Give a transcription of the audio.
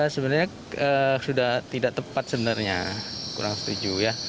sebenarnya sudah tidak tepat sebenarnya kurang setuju ya